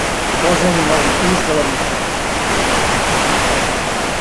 Propose un nou ús de la vida.